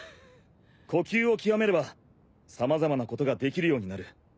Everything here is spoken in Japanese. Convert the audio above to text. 呼吸をきわめれば様々なことができるようになる。